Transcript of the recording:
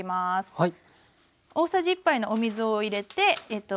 はい。